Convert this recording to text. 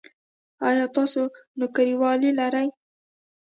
ایا تاسو نوکریوالي لرئ؟